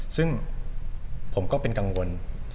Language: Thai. ซึ่งผมก็เป็นกังวล